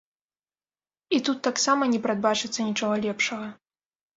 І тут таксама не прадбачыцца нічога лепшага.